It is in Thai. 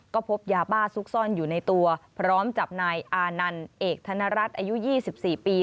ก็พบยาบ้าซุกซ่อนอยู่ในตัวพร้อมจับนายอานันต์เอกธนรัฐอายุ๒๔ปี